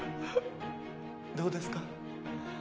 どうですか？